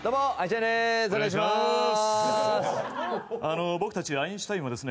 あのー僕たちアインシュタインはですね